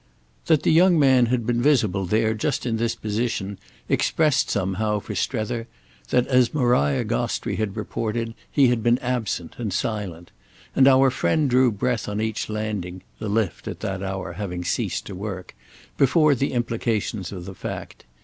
That the young man had been visible there just in this position expressed somehow for Strether that, as Maria Gostrey had reported, he had been absent and silent; and our friend drew breath on each landing—the lift, at that hour, having ceased to work—before the implications of the fact.